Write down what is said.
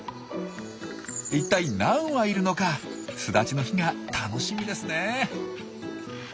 一体何羽いるのか巣立ちの日が楽しみですねえ。